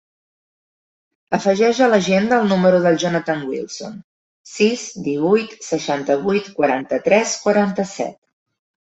Afegeix a l'agenda el número del Jonathan Wilson: sis, divuit, seixanta-vuit, quaranta-tres, quaranta-set.